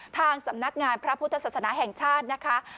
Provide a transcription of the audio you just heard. ทางสำนักงานพระพุทธศาสนาแห่งชาตินะคะ